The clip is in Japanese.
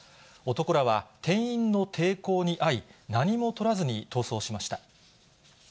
男らは、店員の抵抗にあい、何もとらずに逃走しました。